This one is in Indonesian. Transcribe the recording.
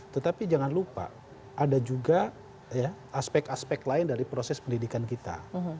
tetapi jangan lupa ada juga aspek aspek lain dari proses pendidikan kita